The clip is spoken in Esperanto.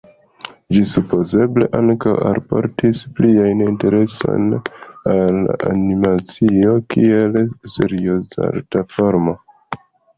Ĝi supozeble ankaŭ alportis plian intereson al animacio kiel serioza arta formo.